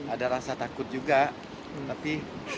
ada rasa takut juga tapi